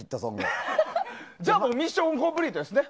じゃあもうミッションコンプリートですね。